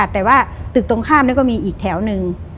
แต่ว่าตึกตรงข้ามก็มีอีกแถวหนึ่ง